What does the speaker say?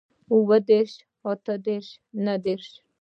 اووه دېرش اتۀ دېرش نهه دېرش